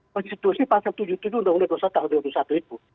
konstitusi pasal tujuh puluh tujuh uu dua ribu dua puluh satu itu